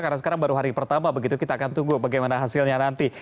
karena sekarang baru hari pertama begitu kita akan tunggu bagaimana hasilnya nanti